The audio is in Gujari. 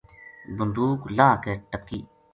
بندوق لاہ کے ٹَکی